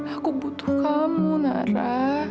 aku butuh kamu nara